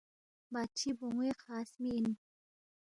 بادشی بون٘وے خاص می اِن